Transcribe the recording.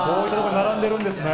並んでいるんですね。